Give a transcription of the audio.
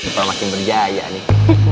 semua makin berjaya nih